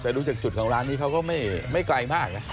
แต่ดูจากจุดของร้านนี้เขาก็ไม่ไกลมากนะ